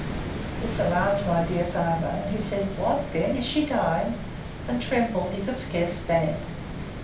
This alarmed my dear father, and he said, What! then, is she dying? And trembled, he could scarce stand.